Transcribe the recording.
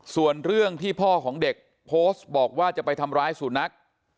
ส่วนเรื่องที่พ่อของเด็กโพสต์บอกว่าจะไปทำร้ายสุนัข